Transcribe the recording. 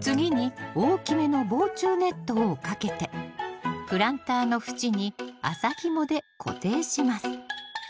次に大きめの防虫ネットをかけてプランターの縁に麻ひもで固定します